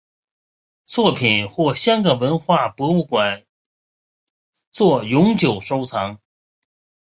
作品获香港文化博物馆作永久收藏。